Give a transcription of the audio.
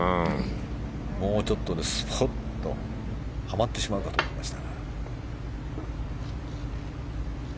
もうちょっとでスポッとはまってしまうかと思いました。